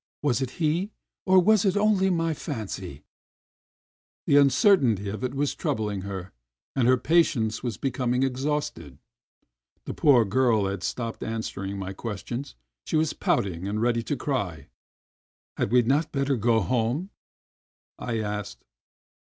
Was it he, or was it only my fancy ?" The uncertainty of it was troubling her, and her patience was becoming exhausted. The poor girl had stopped answering my questions, she was pouting and ready to cry. "Had we not better go home?" I asked.